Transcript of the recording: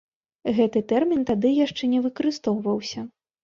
Гэты тэрмін тады яшчэ не выкарыстоўваўся.